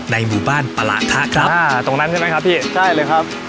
หมู่บ้านประหลางคะครับอ่าตรงนั้นใช่ไหมครับพี่ใช่เลยครับ